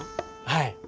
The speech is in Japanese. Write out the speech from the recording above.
はい。